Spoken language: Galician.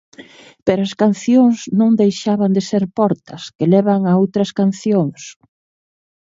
Pero as cancións non deixaban de ser portas que levan a outras cancións.